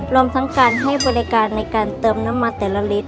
รวมทั้งการให้บริการในการเติมน้ำมันแต่ละลิตร